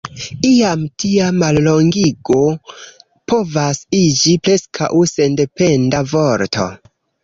Iam tia mallongigo povas iĝi preskaŭ sendependa vorto.